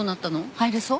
入れそう？